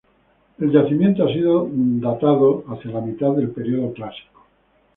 El yacimiento ha sido datado hacia la mitad del periodo clásico.